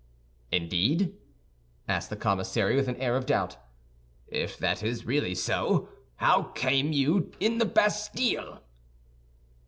"Indeed?" asked the commissary, with an air of doubt. "If that is really so, how came you in the Bastille?"